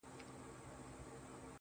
د تپل شوې کرښې